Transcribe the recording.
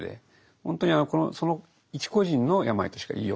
本当にその一個人の病としか言いようがないと。